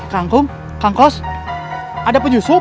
kangkum kang kos ada penyusup